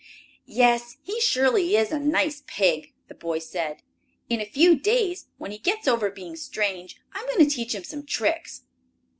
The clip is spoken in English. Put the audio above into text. "Yes, he surely is a nice pig," the boy said, "In a few days, when he gets over being strange, I'm going to teach him some tricks."